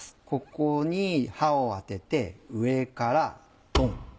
ここに刃を当てて上からトン。